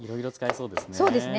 そうですね。